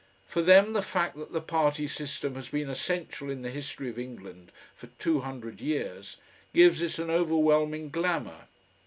For them the fact that the party system has been essential in the history of England for two hundred years gives it an overwhelming glamour.